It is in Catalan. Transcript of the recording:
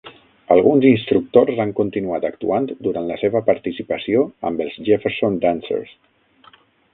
Alguns instructors han continuat actuant durant la seva participació amb els Jefferson Dancers.